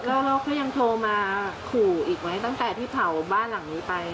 แล้วเขายังโทรมาขู่อีกไหมตั้งแต่ที่เผาบ้านหลังนี้ไป